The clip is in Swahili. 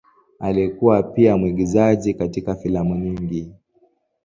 Alikuwa pia mwigizaji katika filamu nyingi.